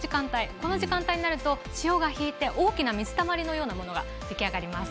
この時間帯があると潮が引いて大きな水たまりのようなものが出来上がります。